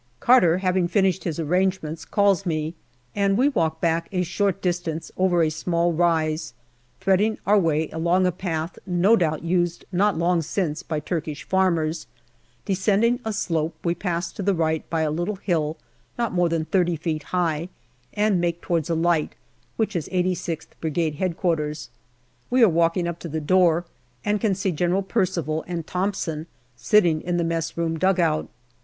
Carver, having finished his arrangements, calls me, and we walk back a short distance over a small rise, threading our way along a path no doubt used not long since by Turkish farmers ; descending a slope, we pass to the right by a little hill not more than 30 feet high, and make towards a light, which is 86th Brigade H.Q. We are walking up to the door, and can see General Percival and Thomson sitting in the mess room dugout.